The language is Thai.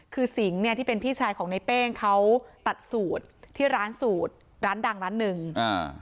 คือสิงห์เนี้ยที่เป็นพี่ชายของในเป้งเขาตัดสูตรที่ร้านสูตรร้านดังร้านหนึ่งอ่า